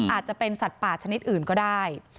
อาจจะเป็นสัตว์ป่าชนิดอื่นก็ได้